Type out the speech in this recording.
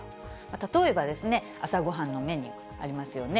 例えば、朝ごはんのメニュー、ありますよね。